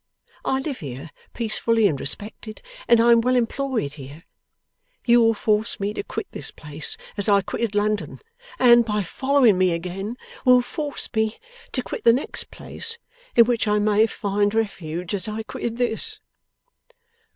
I live here peacefully and respected, and I am well employed here. You will force me to quit this place as I quitted London, and by following me again will force me to quit the next place in which I may find refuge, as I quitted this.